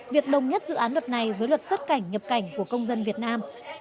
việc đồng nhất dự án luật này với luật xuất cảnh nhập cảnh của công dân việt nam